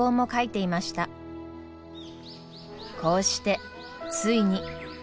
こうしてついに。